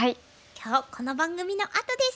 今日この番組のあとです。